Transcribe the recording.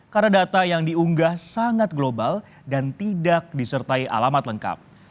karena data yang diunggah sangat global dan tidak disertai alamat lengkap